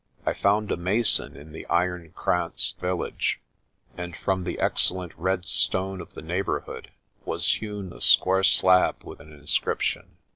I found a mason in the Iron Kranz village, and from the excellent red stone of the neighbourhood was hewn a square slab with an inscription.